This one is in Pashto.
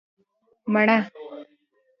🍏 مڼه